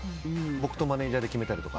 僕とマネジャーで決めたりとか。